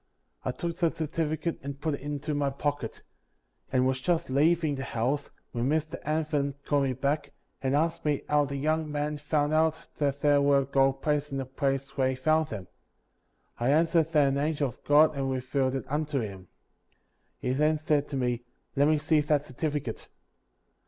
I took the certificate and put it into my pocket, and was just leaving the house, when Mr. Anthon called me back, and asked me how the young man found out that there were gold plates in the place where he found them. I answered that an angel of God had revealed it unto him. 65. He then said to me, "Let me see that cer tificate.